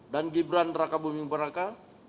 dan gibran raka buming beraka